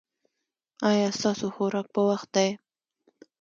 ایا ستاسو خوراک په وخت دی؟